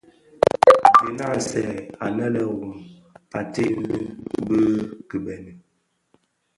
Gèni a nsèè anë le Rum ated ňyi bi kibeni.